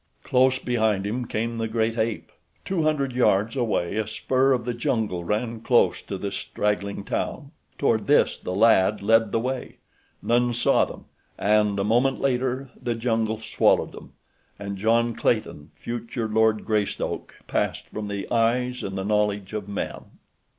Close behind him came the great ape. Two hundred yards away a spur of the jungle ran close to the straggling town. Toward this the lad led the way. None saw them, and a moment later the jungle swallowed them, and John Clayton, future Lord Greystoke, passed from the eyes and the knowledge of men.